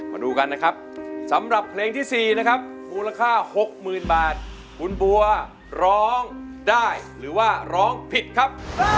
มาดูกันนะครับสำหรับเพลงที่๔นะครับมูลค่า๖๐๐๐บาทคุณบัวร้องได้หรือว่าร้องผิดครับ